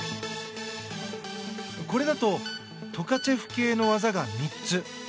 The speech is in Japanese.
これだとトカチェフ系の技が３つ。